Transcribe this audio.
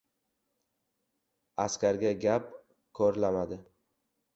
Askarga gap korlamadi.